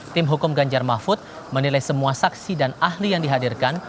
tim hukum ganjar mahfud menilai semua saksi dan ahli yang dihadirkan